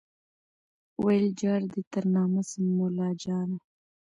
ویل جار دي تر نامه سم مُلاجانه